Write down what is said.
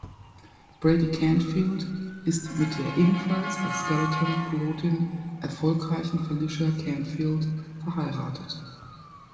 Brady Canfield ist mit der ebenfalls als Skeletonpilotin erfolgreichen Felicia Canfield verheiratet.